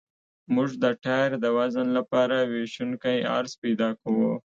موږ د ټایر د وزن لپاره ویشونکی عرض پیدا کوو